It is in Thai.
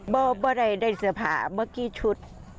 บ้าได้เสื้อผ้าบ้ากี่ชุด